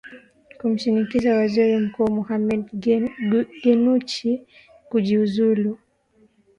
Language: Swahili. kumshinikiza waziri mkuu mohamed genuchi kujiuzulu